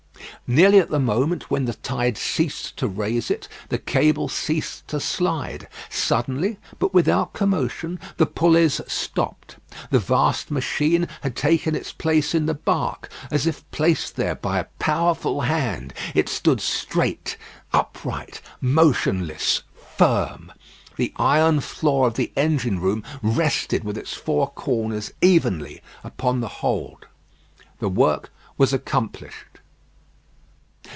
Nearly at the moment when the tide ceased to raise it, the cable ceased to slide. Suddenly, but without commotion, the pulleys stopped. The vast machine had taken its place in the bark, as if placed there by a powerful hand. It stood straight, upright, motionless, firm. The iron floor of the engine room rested with its four corners evenly upon the hold. The work was accomplished.